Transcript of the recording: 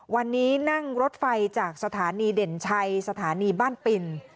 วันนี้นั่งรถไฟจากสถานีเด่นชัยสถานีบ้านปิ่น